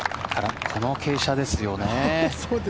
この傾斜ですよね。